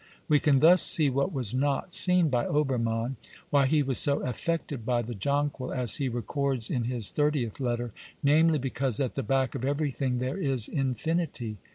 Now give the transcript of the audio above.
We can thus see what was not seen by Ohermann — why he was so affected by the jonquil, as he records in his thirtieth letter, namely, because at the back of everything there is infinity.